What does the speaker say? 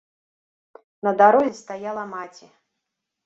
На дарозе стаяла маці.